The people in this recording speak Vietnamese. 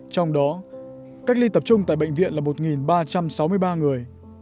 trong đó cách ly tập trung tại bệnh viện là một ba trăm sáu mươi ba người